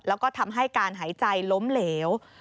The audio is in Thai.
แล้วก็ทำให้การหายใจล้มเหลว